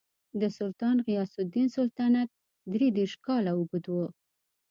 د سلطان غیاث الدین سلطنت درې دېرش کاله اوږد و.